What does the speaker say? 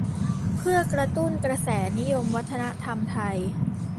เพื่อกระตุ้นกระแสนิยมวัฒนธรรมไทย